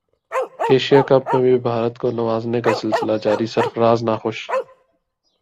Asia Cup میں بھی بھارت کو نوازنے کا سلسلہ جاری سرفراز ناخوش